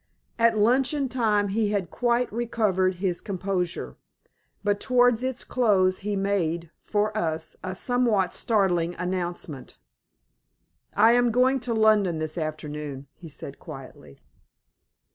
At luncheon time he had quite recovered his composure, but towards its close he made, for us, a somewhat startling announcement. "I am going to London this afternoon," he said, quietly.